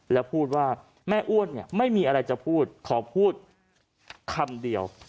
แล้วพูดว่าแม่อ้วนเนี่ยไม่มีอะไรจะพูดขอพูดคำเดียว